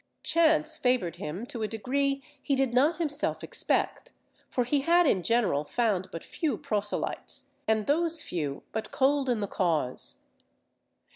Chance favoured him to a degree he did not himself expect, for he had in general found but few proselytes, and those few but cold in the cause.